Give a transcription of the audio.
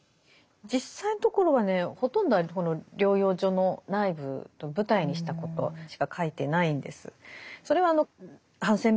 実際のところはねほとんどはこの療養所の内部を舞台にしたことしか書いてないんです。